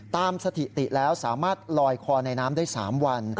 สถิติแล้วสามารถลอยคอในน้ำได้๓วัน